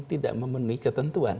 tidak memenuhi ketentuan